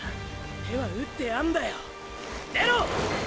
手は打ってあんだよ出ろ！